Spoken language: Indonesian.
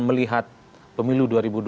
melihat pemilu dua ribu dua puluh